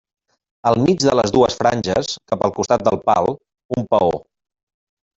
Al mig de les dues franges, cap al costat del pal, un paó.